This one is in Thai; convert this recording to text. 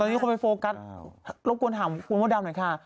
นี่คนไปโฟกัสรบกวนถามคุณมดดำหน่อยค่ะ